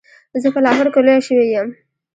زه په لاهور کې لویه شوې یم.